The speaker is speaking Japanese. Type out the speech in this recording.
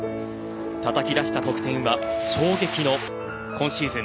たたき出した得点は衝撃の今シーズン